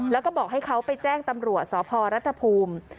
แล้วก็บอกให้เขาไปแจ้งตำรวจสพรัฐภูมิ